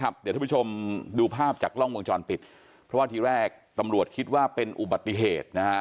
เดี๋ยวท่านผู้ชมดูภาพจากกล้องวงจรปิดเพราะว่าทีแรกตำรวจคิดว่าเป็นอุบัติเหตุนะฮะ